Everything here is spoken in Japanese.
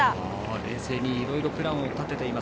冷静にいろいろプランを立てています。